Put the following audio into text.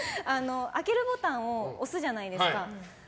開けるボタンを押すじゃないですか。